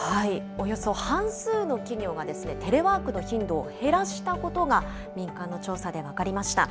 およそ半数の企業が、テレワークの頻度を減らしたことが、民間の調査で分かりました。